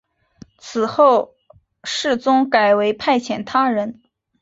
此后世宗改为派遣他人。